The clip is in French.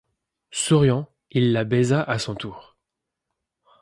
Souriant, il la baisa à son tour.